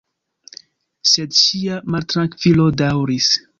Sed ŝia maltrankvilo daŭris.